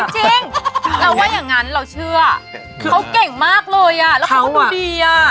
จริงเราว่าอย่างนั้นเราเชื่อเขาเก่งมากเลยอ่ะแล้วเขาก็ดูเบียร์